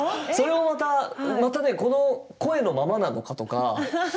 それもまたまたねこの声のままなのかとか。